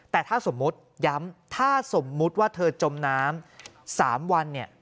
แต่ถ้าสมมุติย้ำถ้าสมมุติว่าเธอจมน้ำ๓วันเนี่ย